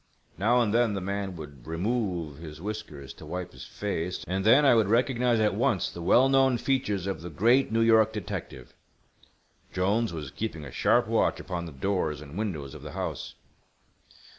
Now and then the man would remove his whiskers to wipe his face, and then I would recognize at once the well known features of the great New York detective. Jolnes was keeping a sharp watch upon the doors and windows of the house.